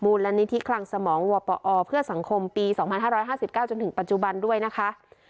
มูลและนิทิคลังสมองวปอเพื่อสังคมปีสองพันห้าร้อยห้าร้อยห้าสิบเก้าจนถึงปัจจุบันด้วยนะคะ